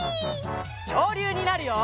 きょうりゅうになるよ！